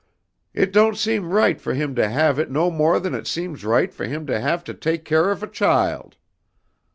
It don't seem right for him to have it no more than it seems right for him to have to take care of a child.